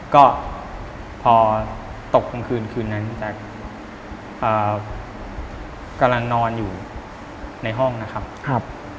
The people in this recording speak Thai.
ก็พอตกกลางคืนคืนนั้นพี่แจ๊คกำลังนอนอยู่ในห้องนะครับ